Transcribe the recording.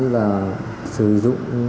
và sử dụng